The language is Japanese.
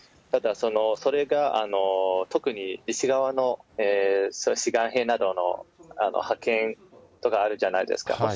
ただ、それが特に西側の志願兵などの派遣とかあるじゃないですか。